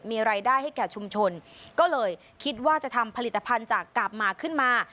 มีรายได้ให้แก่ชุมชนก็เลยคิดว่าจะทำผลิตภัณฑ์จากกาบหมากขึ้นมา